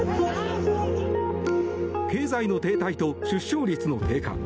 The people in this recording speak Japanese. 経済の停滞と出生率の低下。